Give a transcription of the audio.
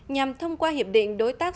nhằm thông qua hiệp định đối tác